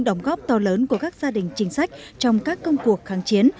đóng góp to lớn của các gia đình chính sách trong các công cuộc kháng chiến